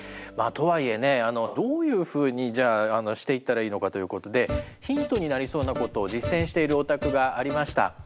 まあとはいえねどういうふうにじゃあしていったらいいのかということでヒントになりそうなことを実践しているお宅がありました。